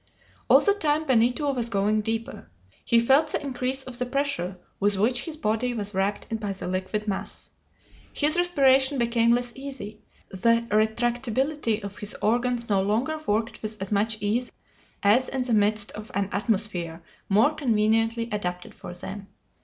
All the time Benito was going deeper. He felt the increase of the pressure with which his body was wrapped by the liquid mass. His respiration became less easy; the retractibility of his organs no longer worked with as much ease as in the midst of an atmosphere more conveniently adapted for them.